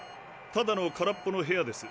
ただの空っぽの部屋です。